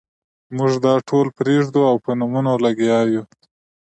موږ دا ټول پرېږدو او په نومونو لګیا یو.